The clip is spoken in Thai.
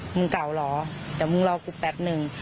มึงกล่าวเหรอแต่มึงรอปุ๊บแป๊บนึง